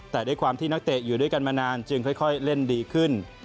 แต่ด้วยความที่นักเตะอยู่ด้วยกันมานานจึงค่อยเล่นดีขึ้น